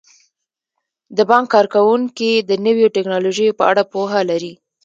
د بانک کارکوونکي د نویو ټیکنالوژیو په اړه پوهه لري.